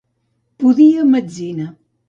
Pudir a metzina.